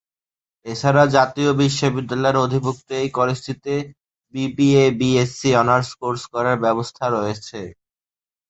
এছাড়া জাতীয় বিশ্ববিদ্যালয়ের অধিভুক্ত এই কলেজটিতে বিবিএ, বিএসসি অনার্স কোর্স করার ব্যবস্থা রয়েছে।